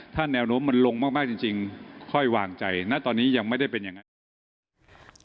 ถ้าแนวโน้มมันลงมากจริงค่อยวางใจณตอนนี้ยังไม่ได้เป็นอย่างนั้นนะครับ